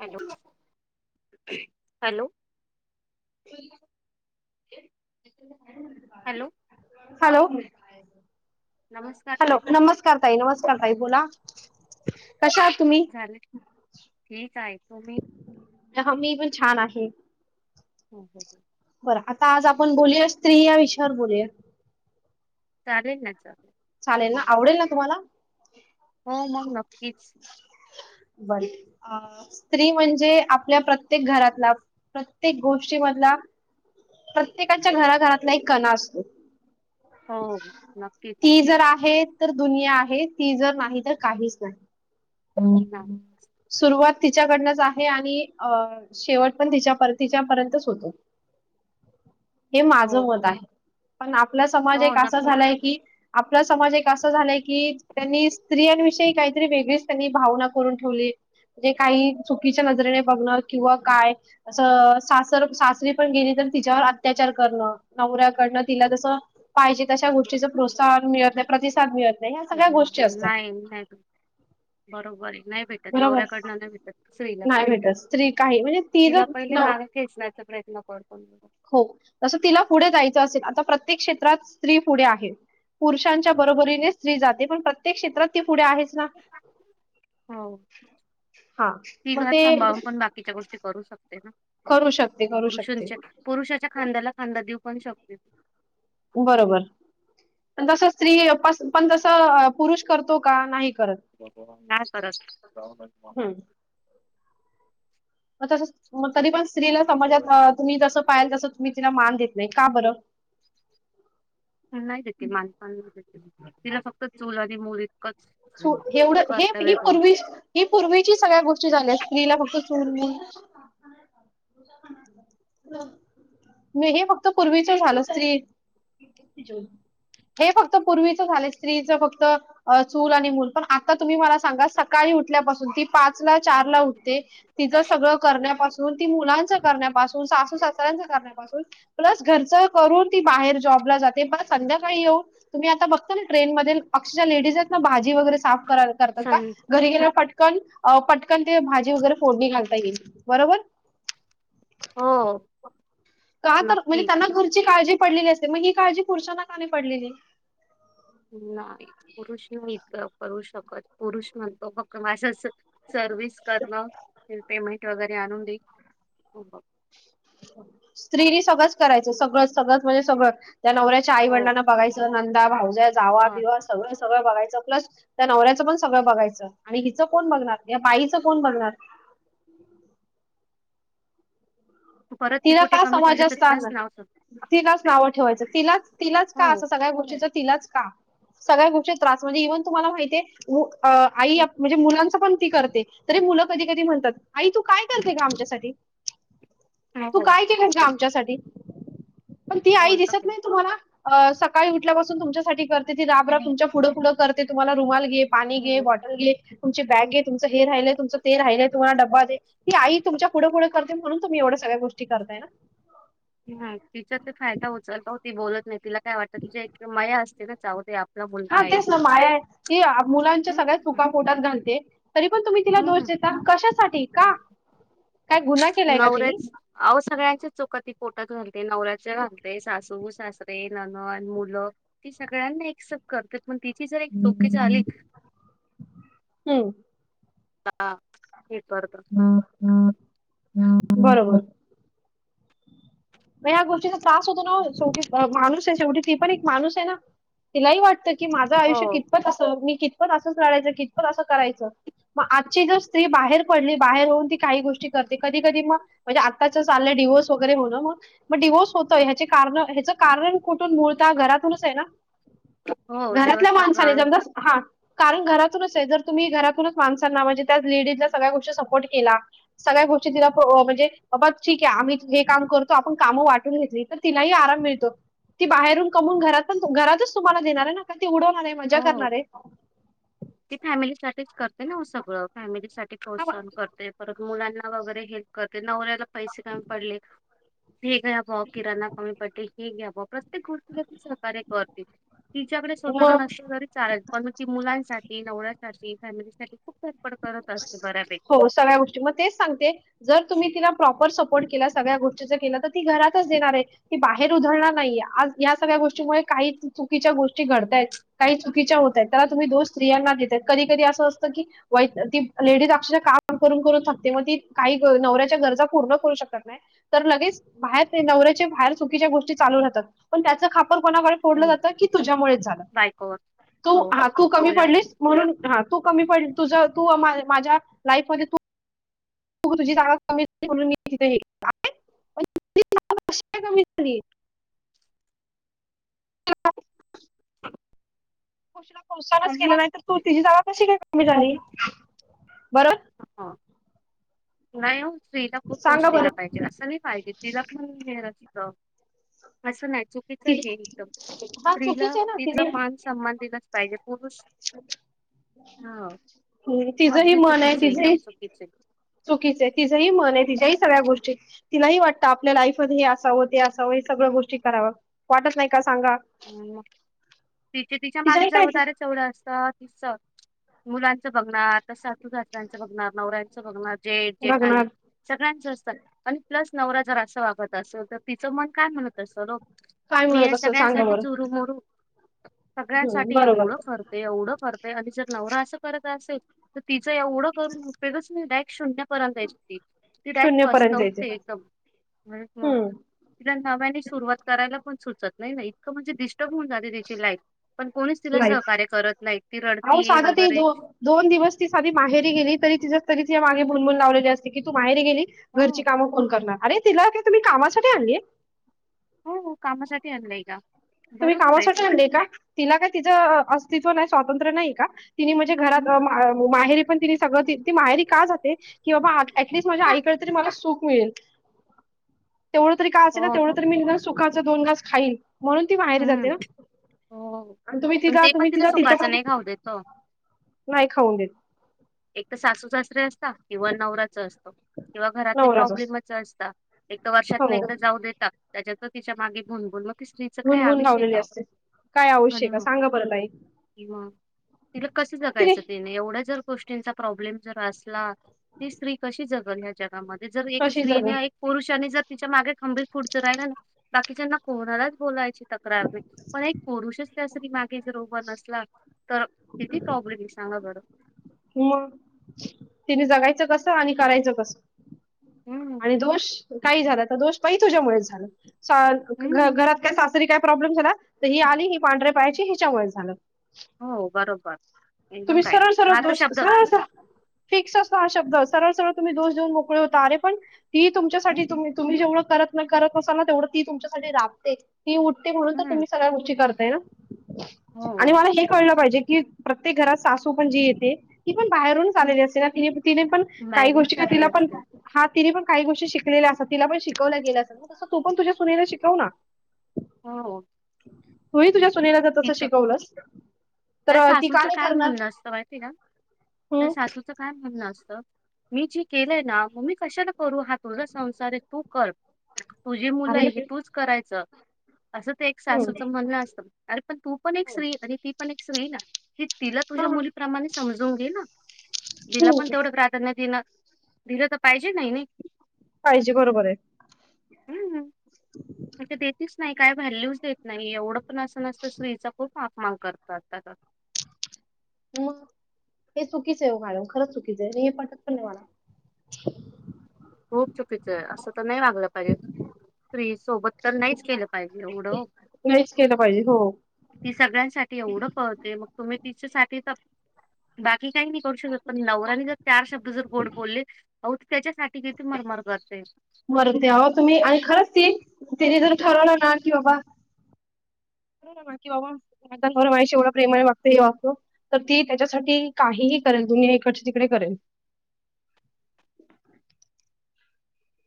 Hello hello [inaudible] hello hello नमस्कार hello ताई नमस्कार ताई नमस्कार ताई बोला. कशा आहात तुम्ही झाले ठीक आहे घे काळजी मग मी पण छान आहे. हम ह बरं आता आज आपण बोलूया स्त्री या विषयावर बोलूया चालेल ना चालेल चालेल ना बोलूया आवडेल ना तुम्हाला? हो मग नक्कीच बर स्त्री म्हणजे आपल्या प्रत्येक घरातला प्रत्येक गोष्टी मधला. प्रत्येकाच्या घराघरातला एक कणा असतो. हो नक्की ती जर आहे तर दुनिया आहे ती जर नाही तर काहीच नाही. हो् का तिच्याकडनच आहे आणि अ शेवट पण तिच्या तिच्यापर्यंतच होतो. हे हो माझ मत आहे पण आपला समाज हो एक असा नक्की झालाय की आपला समाज एक असा झालाय की त्यांनी स्त्रियांविषयी काहीतरी वेगळीच त्यांनी भावना करून ठेवली? म्हणजे काही चुकीच्या नजरेने बघणार किंवा काय असं सासर सासरी पण गेली. पण तिच्यावर अत्याचार करण नवऱ्याकडंन तिला जस पाहिजे तश्या गोष्टीच प्रोचाहन मिळत नाही प्रतिसाद मिळत नाही या सगळ्या हम्म, गोष्टी असतात. नाही नाही भेटत. बरोबर आहे नाही भेटत बरोबर नवऱ्याकडन नाही भेटत स्त्रीला नाही भेटत स्त्री काही म्हणजे ती तिला पहिले जर माग खेचण्याचा प्रयत्न न पडत हो तसं तिला पुढे जायचं असेल आता प्रत्येक क्षेत्रात स्त्री पुढे आहे. पुरुषांच्या बरोबरीने स्त्री जाते पण प्रत्येक क्षेत्रात ती पुढे आहेच ना हो हां ती मग घर ते सांभाळून पण बाकीच्या गोष्टी करू शकते. करू शकते, करू शकते. पुरुषांच्या पुरुषाच्या खांद्याला खांदा देऊ पण शकते ती बरोबर प तस स्त्री पण तस पुरुष करतो का? करत. हं. [unintelligible] मग तस तरी पण स्त्रीला समजात तुम्ही जसं पाहिल तसं तुम्ही तिला मान देत नाही का बरं नाही देते ती मानपान नाही देते तिला फक्त चूल आणि मुली इतकं एवढं हे ही बस पूर्वी ही पूर्वीची सगळ्या गोष्टी झाल्या स्त्रीला फक्त चूल मूल [unintelligible] [unintelligible] मी हे फक्त पूर्वीचं झालं तरी [unintelligible] हे फक्त पूर्वीचं झालं स्त्रीच फक्त अ. चूल आणि मूल पण आता तुम्ही मला सांगा सकाळी उठल्यापासून ती पाचला चारला उठते तिझ सगळं करण्यापासून ती मुलांच करण्यापासून, सासू- सासर्‍यांच करण्यापासून, प्लस घरचं कर रून ती बाहेर जॉबला जाते पण संध्याकाळी येऊ तुम्ही आता बघता ना ट्रेन मधील अक्षरशः लेडीज मग भाजी वगैरे साफ कराय- करतात का सन घरी गेल्याव- पटकन अ पटकन ते भाजी वगैरे फोडणी घालतात आता येईल बरोबर? हो का तर म्हणजे नक्की त्यांना घरची काळजी पडलेली असते मग ही काळजी पुरुषांना का नाही पडलेली? नाही पुरुष मी इतकं करू शकत पुरुष म्हणतो फक्‍त माझंच [inaudible] सर्विस करणं ते पेमेंट वगैरे आणून दे [unintelligible] स्त्रीनी सगळंच करायचं सगळं- सगळंच म्हणजे सगळं त्या नवऱ्याच्या आई हो वडिलांना बघायचं नंदा, भाऊज्या, जावा- ह बिवा सगळं सगळं बघायचं प्लस त्या नवऱ्याचं पण सगळं बघायचं आणि हिचं कोण बघणार या बाईचं कोण बघणार? [inaudible] ह [inaudible] परत ती तिला कुठे का कमी समाज पडलं तर स्थान तिलाच ना नाव सांग. तिलाच नावं ठेवायचं, तिलाच -तिलाच का हो असं सगळ्या गोष्टींच [inaudible] तिलाच का? सगळ्या गोष्टीत त्रास म्हणजे ईव्हन तुम्हाला माहितीये उ अ.. आई म्हणजे मुलांच पण ती करते तरी मुलं कधी कधी म्हणतात आई तू काय करते ग आमच्यासाठी? तू हो काय केलं ग आमच्यासाठी? पण ती आई बोलत दिसत नाही तुम्हाला अ. सकाळ सकाळी उठल्यापासून तुमच्यासाठी करते ती राबराब तुमच्या पुढं -पुढं करते तुम्हाला रुमाल घे पाणी घे, बोलत बॉटल घे तुमची बॅग घे, तुमचं हे राहिलय, तुमचं ते राहिलय तुम्हाला डबा दे, ही आई तुमच्या पुढं -पुढं करते म्हणून तुम्ही एवढं सगळ्या गोष्टी करताय ना? [inaudible] ह तिचा ते फायदा उचलताव ती बोलत नाय तिला काय वाटतं तिच्या एक मया असते ना जाऊदे आप हा तेच ना मायाय ती अ.. मुलांच्या सगळ्या हम्म. चुका पोटात घालते तरी पण तुम्ही तिला दोष हम्म देता कशासाठी? [inaudible] का? काय गुन्हा केलाय का तिने? नवऱ्याच अव सगळ्यांच्याच चुका ती पोटात घाल ते नवऱ्याच्या घालते, सासू सासरे ननं नंनद, मुलं ती सगळ्यांना एक्सेप्ट करते पण तिची जर एक [inaudible] चूकी झाली [inaudible] हम्म ह हे ह हम् [unintelligible] बरोबर म ह्या गोष्टीचा त्रास होतो ना ओ शेवटी अ माणूस वटी ती पण एक माणूसय ना तिलाही वाटतं की माझं हो आयुष्य कितपत असाव मी कितपत असंच लढायचं कितपत असं करायचं मग आजची जर स्त्री बाहेर पडली बाहेर होऊन ती काही गोष्ट टी करते कधी- कधी म म्हणजे आताचं चाललय डिव्होर्स वगैरे होण मग मग डिव्होर्स होतोय ह्याचे कारणं- ह्याच कारण कुठून मूळता घरातूनच आहे ना. हो घरातल्या दिवस तर माणसाने काढून [unintelligible] हा कारण घरातूनचय जर तुम्ही घरातूनच माणसांना म्हणजे त्या लेडीजला सगळ्या गोष्ट सपोर्ट केला सगळ्या गोष्टीत तिला प्रो म्हणजे बा ठीके, आम्ही हे काम करतो. आपण कामं वाटून घेतली, तर तिलाही आराम मिळतो. ती बाहेरून कमवून, घरातच-घरातच तुम्हाला देणारय ना का ती उडवणारय, मजा हो. करणारय. तेच करते ना सगळं. फॅमिलीसाठी हा प्रोत्साहन करते. परत मुलांना वगैरे हेल्प करते. नवर्‍याला पैसे कमी पडले [unintelligible] बा किराणा कमी पडली ही घ्या बा [unintelligible] प्रत्येक गोष्टीला ती सहकार्य करते. तिच्याकडे स्वतःला ना मग चालेल. पण, म ती मुलांसाठी, नवऱ्यासाठी, फॅमिलीसाठी खूप कर [unintelligible] हो सगळ्या गोष्टी. मग तेच सांगते. जर तुम्ही तिला प्रॉपर सपोर्ट केलास सगळ्या गोष्टी जर केलं तर, ती घरातच देणार आहे. की बाहेर उधळणार नाहीे. आज या सगळ्या गोष्टीमुळे काही चुकीच्या गोष्टी घडतायत. काही चुकीच्या हो त्याला तुम्ही दोष स्त्रियाना देतात. कधी- कधी असं असतं की, वाईट लेडीज अक्षरशः काम करून- करून थकते. मग ती, काही नवऱ्याच्या गरजा पूर्ण करू शकत नाही. तर [unintelligible] लगेच बाहेर ते नवऱ्याचे, बाहेर चुकीच्या गोष्टी चालू राहतात. पण त्याचं खापर कोनाकडे फोडलं हो जात की, तुझ्यामुळेच झालं. बायकोवर तू, हो हा, हो तु हो कमी तुझ्या पडलीस म्हणून, हा तु कमी पडल तुझ तू माझ्या लाईफ मध्ये तू तुझी तागद कमी म्हून [unintelligible] [unintelligible] कमी झाली. तुला त्या [unintelligible] प्रोत्साहनच केलं मम्मा नाही तर, तू तिजी जागा कशी काय कमी झाली? बर हो. नाही ओ, स्त्रीला खूप [unintelligible] सांगा दिला बरं पाहिजे. असं नाही पाहिजे तिला पण [unintelligible] असं नाही चुकीचं ति- हे एकदम. हा स्त्रीला, चुकीच आहे ना तिचा तिथे मान- सन्मान दिलाच पाहिजे. पुरुष हा. [unintelligible] ह् तिजही अगदी मनय. चुकीचं आहे तिजही एकदम चुकीचं आहे. चुकीचय. तिझंही मनय. तिज्याही सगळ्या गोष्टी तिलाही वाटतं, आपल्या लाईफमध्ये हे असावं, ते असावं. हे सगळं गोष्टी करावं वाटत नाही का? सा अ मग. तिचे तिच्या मागे तिच्याही काय जबदारीच एवढं असतात ती स मुलांचं बघणार, आता सासु सासऱ्यांचं बघणार, नवऱ्यांचं बघणार. जेठ जेठानी बघणार सगळ्यांचं असतात. प्लस नवरा जर असं वागत असेल. तर, तिचं मन काय म्हणत असंल ओ. काय म्हणत असल. सांगा ब जुरूमरू. हम्म, सगळ्यांसाठी बरोबर एवढं करते, एवढं करतंय आणि जर तिचा नवरा अस करत असेल, तर तिचं एवढं करून उपयोगच नाही. [unintelligible] तिडाक शून्य पर्यंत जायचे पस्तावते एकदम. म्हणजे म हम्म तिला नव्याने सुरुवात करायला सुचत नाही ना. इतकं म्हणजे, डिस्टर्ब होऊन जाते तिची लाईफ. पण कोणीच तिला सहकार्य करत नाही. ती आओ रडतीये साध, ती वगैरे दो दोन दिवस ती साधी माहेरी गेली. तरी तिज तरी मागे बुनबून लावलेली असते की, तू माहेर गेली. हो घरची कामं कोण करणार? अरे, तिला काय तुम्ही कामासाठी आणलीय? हो, हो, कामासाठी आन तुम्ही कामासाठी आणले का? तिला काय तिचं अस्त स्तित्व स्वातंत्र्य नाही का? तिनि म्हणजे हं, घरात हं. म अ माहेरी पण तिनि सगळ ती माहेरी का जाते? की बाबा, ॲटलिस्ट माझ्या आईकडे तरी मला सुख मिळेल. तेवढं तरी काय असेल ना. तेवढं तरी मी ना, सुखाचा दोन घास खाईल. म्हणून ती माहेरी हं, जाते ना? आणि तुम्ही तिघा तुम्ही तिला ति च नाही खाऊ देतो. [unintelligible] एक तर सासू सासरे असता. किंवा नवऱ्याच असतो. किंवा घरातले नवराच असतो प्रॉब्लेमच असता. एक तर वर्षात न हो एकदा जाऊ देेता. त्याच्यातन तिच्या मागे भुनभुन म भूणभुन लावलेली असते. काय हो [unintelligible] ना का? मग. सांगा बर ताई. मग. तिला कस जगायचं तिने एवढं जर गोष्टींचा प्रॉब्लेम जर असला ती स्त्री कशी जगल ह्या ज जर एक कशी जगल स्त्रीने एक पुरुषाने जर तिच्या मागे खंबीर पुुढचं राहिला ना बाकीच्याना कोणालाच बोलायचे तक्रार नाही पण एक पुरुषच त्यासरी मागे जर उभं नसला तर किती काबली सांगा बडं मग तिने जगायचं कसं आणि करायचं कस हम्म आणि दोष काही झाला तर दोष प तुझ्यामुळेच झालं हम्म घरात काय सासरी काय प्रॉब्लेम झाला ही आली ही पांढरे पाहायची ह्याच्यामुळे झालं हो बरोबर. एकदम तुम्ही राईट सरळ सरळ हा तर दोष, शब्द सरळ स फिक्स असो हा शब्द सरळ सरळ तुम्ही दोष देऊन मोकळे होता अरे पण ती तुमच्या साठी हम्म करत करत असाल ना तेवढ ती तुमच्यासाठी राबते ती उठते म्हणून तर हम्म तुम्ही सगळ्या उची करताय ना. आणि हो मला हे कळल पाहिजे की प्रत्येक घरात सासू पण जी येते पण बाहेरूनच आलेली अस ना त तिने पण काही मॅगून गोष्टी का चालली तिला पण असते हा तिने पण काही गोष्टी शिकलेल्या अस तिला पण शिकवल्या गेल्या असता तस तू पण तुझ्या सुनेला शिकव ना. हो तुही तुझ्या सुनेला तर तस तिचं शिकवलस तर त्या ती का सासूचं नयी काय म्हणण असतं माईती का? त्या हम्म सासूचं काय म्हणण असत मी जी केलय ना म मी कशाला करू हा तुझा संसार आहे तू कर. तुझी मुल अरे ही तूच करायच अस ते एक हम्म सासूच म्हणन असत अरे पण तू पण एक स्त्री आणि ती पण एक स्त्री ये ना. ती तिला हा तुझ्या मुलीप्रमाणे समजून घे ना तिला पण हम्म तेवढ प्राधान्य दिला दिल त पाहिजे बरोबर ये हम देतीच नायी काय वॅल्यूच देत नायी एवढ पण अस नस स्त्रीचा खूप अपमान करतात, त्याचा मग हे चुकीच ओ मॅडम, खरच चुकीच ये मी हे पटत पण नई मला. [inaudible] खूप चुकीच ये अस तर नाही वागल पाईजे. त्री सोबत तर नाहीच केल पाइजे एवढ. नाहीच केलं पाहिजे हो ती सगळ्यांसाठी एवढ कहते मग तुम्ही तिच्यासाठी ते बाकी कायी नायी करू शकत पण नवऱ्यानी जर चार शब्द जर गोड बोलले त्याच्यासाठी किती मरमर करते. बर तेवा तुम्ही आणि खरच ती तिने जर ठरवल ना कि बाबा की बाबा माझ घर माझ्याशी एवढ प्रेमाने वागतय हे वागतो तर ती त्याच्यासाठी काही करेल इकड ची तिकडे करेन.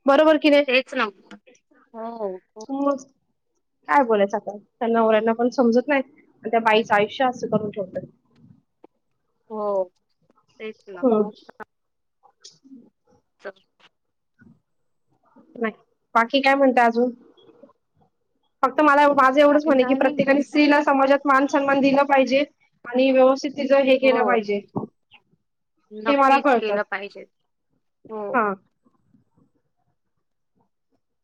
बरोबर कि नायी? तेच ना. हो खूप काय बोलायच आत्ता त्या नवऱ्यांना पण समजत नाहीत आणि त्या बाईचं आयुष्य अस करून ठेवतात. [inaudible] हो तेच ना हम्म खूप [inaudible] च नायी, बाकी काय म्हणताये अजून? मला माझ एवढच बाकी म्हणण की काय नाही प्रत्येकाने हेच स्त्रीला समाजात मान सन्मान दिला पाहिजे आणि व्यवस्थित तिच हे हो केल पाहिजे हे मला नक्कीच कळतं केल पाहिजे, हो हा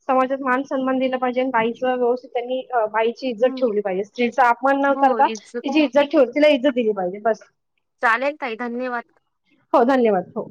समाजात मान सन्मान दिला पाहिजे आणि बाईच व्यवस्थित त्यांनी बाईची इज्जत हम्म ठेवली पाहिजे, स्त्रीचा अपमान न करता तिची इज्जत ठेवली तिला इज्जत दिली पाहिजे बस. चालेल ताई धन्यवाद. हो धन्यवाद हो.